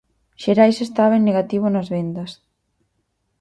Xerais estaba en negativo nas vendas.